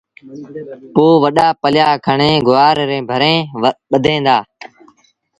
پو وڏآ پليآ کڻي گُوآر ريٚݩ ڀريٚݩ ٻڌيٚن دآ۔